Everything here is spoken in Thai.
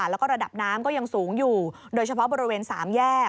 แล้วก็ระดับน้ำก็ยังสูงอยู่โดยเฉพาะบริเวณ๓แยก